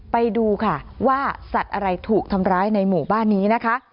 ไปดูค่ะว่าสัตว์อะไรถูกทำร้ายในหมู่บ้านนี้นะคะ